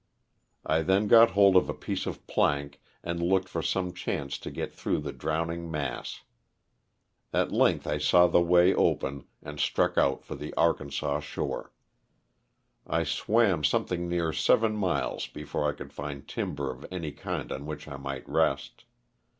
I then got hold of a piece of plank and looked for some chance to get through the drowning mass. At length I saw the way open and struck out for the Arkansas shore. I swam something near seven miles before I could find timber of any kind on which I might rest.